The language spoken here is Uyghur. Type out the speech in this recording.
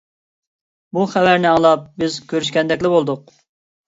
بۇ خەۋەرنى ئاڭلاپ، بىز كۆرۈشكەندەكلا بولدۇق.